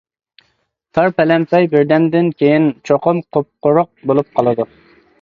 تار پەلەمپەي بىردەمدىن كېيىن چوقۇم قۇپقۇرۇق بولۇپ قالىدۇ.